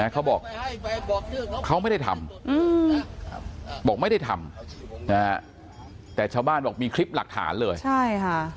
เขาบอกเขาไม่ได้ทำบอกไม่ได้ทำแต่ชาวบ้านบอกมีคลิปหลักฐานเลยใช่ค่ะ